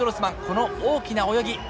この大きな泳ぎ。